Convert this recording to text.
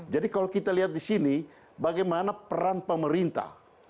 jadi kalau kita lihat di sini bagaimana peran pemerintah